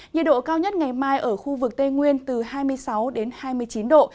nhiệt độ cao nhất ngày mai ở khu vực tây nguyên từ hai mươi sáu đến hai mươi chín độ